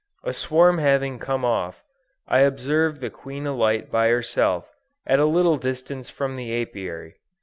A swarm having come off, I observed the queen alight by herself at a little distance from the Apiary.